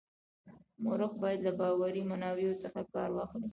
مورخ باید له باوري منابعو څخه کار واخلي.